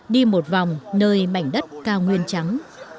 đi một vòng nơi mảnh đất cao nguyên trắng